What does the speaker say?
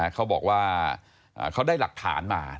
เขาบอกว่าเขาได้หลักฐานมา